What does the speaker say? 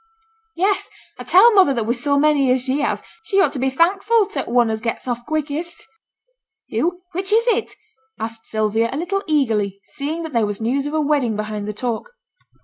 'Yes! I tell mother that wi' so many as she has, she ought to be thankful to t' one as gets off quickest.' 'Who? which is it?' asked Sylvia, a little eagerly, seeing that there was news of a wedding behind the talk.